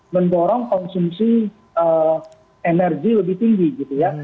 mendorong konsumsi energi lebih tinggi